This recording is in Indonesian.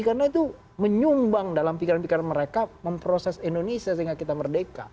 karena itu menyumbang dalam pikiran pikiran mereka memproses indonesia sehingga kita merdeka